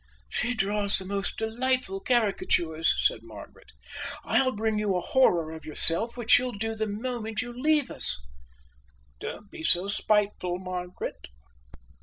"She draws the most delightful caricatures," said Margaret. "I'll bring you a horror of yourself, which she'll do the moment you leave us." "Don't be so spiteful, Margaret."